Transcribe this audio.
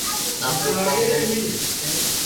آپري ڪوم مون موم رک